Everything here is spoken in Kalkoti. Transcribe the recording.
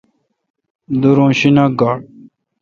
دور اں شیناک گاڑ۔